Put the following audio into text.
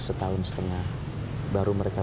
setahun setengah baru mereka